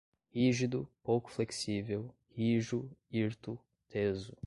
rígido, pouco flexível, rijo, hirto, teso